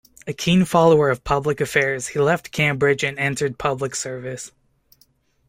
A keen follower of public affairs, he left Cambridge and entered public service.